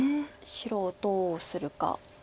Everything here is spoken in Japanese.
白どうするか。